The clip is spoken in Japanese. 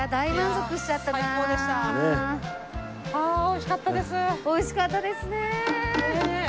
美味しかったですねえ。